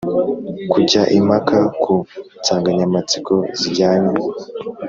-kujya impaka ku nsanganyamatsiko zijyanye